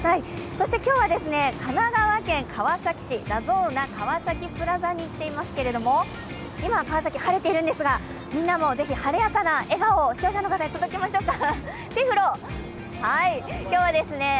そして今日は神奈川県川崎市ラゾーナ川崎プラザに来ていますけれども、今、川崎晴れているんですが、みんなもぜひ晴れやかな笑顔を視聴者の方に届けましょうか。